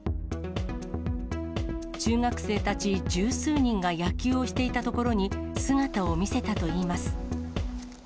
中学生たち十数人が野球をしていたところに、姿を見せたといいます。